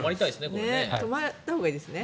泊まったほうがいいですね。